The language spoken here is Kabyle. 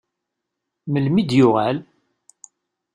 Melmi d-yuɣal?